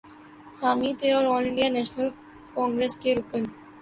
حامی تھے اور آل انڈیا نیشنل کانگریس کے رکن